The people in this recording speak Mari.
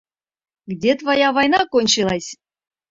Где твоя война кончилась?